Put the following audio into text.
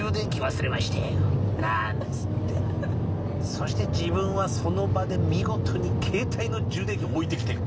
そしてジブンはその場で見事に携帯の充電器を置いてきてる。